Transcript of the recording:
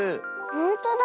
ほんとだ。